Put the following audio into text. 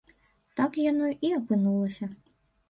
Так яно і апынулася.